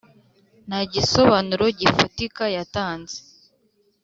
Nta gisobanuro gifatika yatanze.